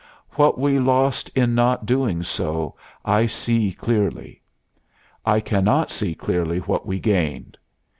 What we lost in not doing so I see clearly; I can not see clearly what we gained.